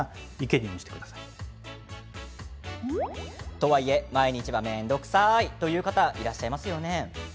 とはいえ毎日は面倒くさいという方、いらっしゃいますよね。